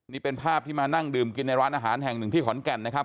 นี่เป็นภาพที่มานั่งดื่มกินในร้านอาหารแห่งหนึ่งที่ขอนแก่นนะครับ